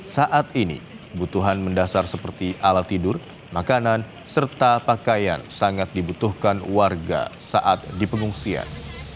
saat ini butuhan mendasar seperti alat tidur makanan serta pakaian sangat dibutuhkan warga saat di pengungsian